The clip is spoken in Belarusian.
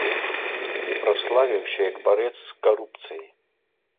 Праславіўся як барэц з карупцыяй.